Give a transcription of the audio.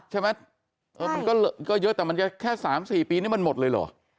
หมันก็เยอะแต่มันอย่างเท่าวัน๓๔ปีมันหมดเลยหรือ